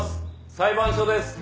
裁判所です。